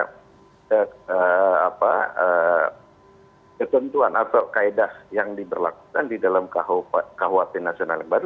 ketentuan atau kaedah yang diberlakukan di dalam kuhp nasional yang baru